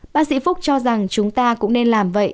bác sĩ phúc cho rằng chúng ta cũng nên làm vậy